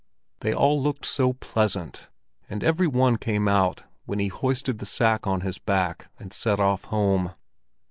They all looked so pleasant, and every one came out when he hoisted the sack on his back and set off home.